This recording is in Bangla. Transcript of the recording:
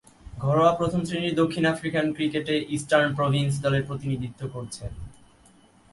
ঘরোয়া প্রথম-শ্রেণীর দক্ষিণ আফ্রিকান ক্রিকেটে ইস্টার্ন প্রভিন্স দলের প্রতিনিধিত্ব করছেন।